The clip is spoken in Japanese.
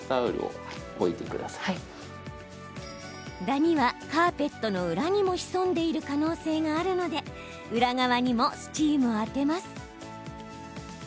ダニは、カーペットの裏にも潜んでいる可能性があるので裏側にもスチームを当てます。